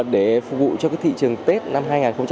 để phục vụ cho thị trường tết năm hai nghìn hai mươi